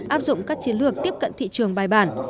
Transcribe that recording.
áp dụng các chiến lược tiếp cận thị trường bài bản